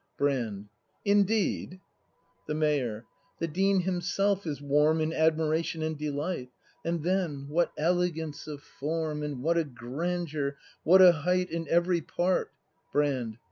Brand. Indeed ? The Mayor, The Dean himself is warm In admiration and delight. And then, what elegance of form, And what a grandeur, what a height In every part Brand.